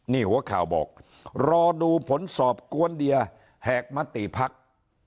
นี่หัวข่าวบอกรอดูผลสอบกวนเดียแหกมติภักดิ์